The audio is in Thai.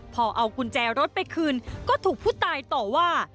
พอเอากุญแจรถไปคืนก็ถูกผู้ตายต่อว่า